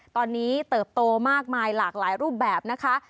ตอนนี้เติบโตมากมายหลากหลายรูปแบบนะคะ